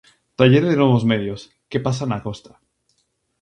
Taller de Novos Medios: Que Pasa na Costa.